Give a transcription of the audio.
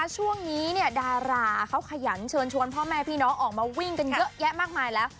ช่วงนี้ดาราเขาขยันเชิญชวนพ่อแม่พี่น้องออกมาวิ่งกันเยอะแยะมากมายแล้ว